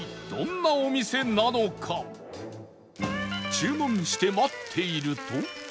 注文して待っていると